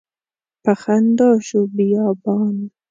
په خندا شو بیابان